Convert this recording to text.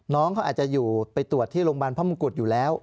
น้องเขาอาจจะอยู่ไปตรวจที่โรงพยาบาลพระมงกุฎอยู่แล้ว